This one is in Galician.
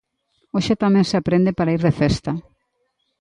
Hoxe tamén se aprende para ir de festa.